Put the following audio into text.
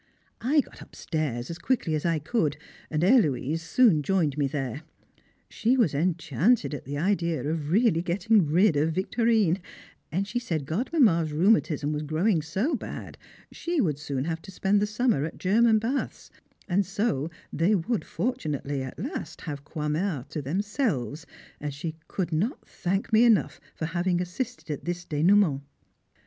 I got upstairs as quickly as I could, and Héloise soon joined me there. She was enchanted at the idea of really getting rid of Victorine, and she said Godmamma's rheumatism was growing so bad she would soon have to spend the summer at German baths, and so they would fortunately at last have Croixmare to themselves; and she could not thank me enough for having assisted at this dénoûment.